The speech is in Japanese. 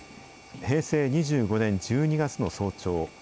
平成２５年１２月の早朝。